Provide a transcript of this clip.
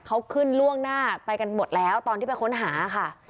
เขาขึ้นล่วงหน้าไปกันหมดแล้วตอนที่ไปค้นหาค่ะ